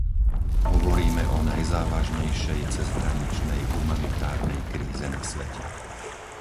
Hovoríme o najzávažnejšej cezhraničnej humanitárnej kríze na svete.